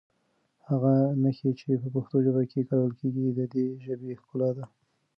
هغه نښې چې په پښتو ژبه کې کارول کېږي د دې ژبې ښکلا ده.